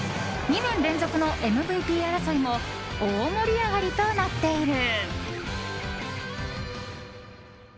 ２年連続のＭＶＰ争いも大盛り上がりとなっている。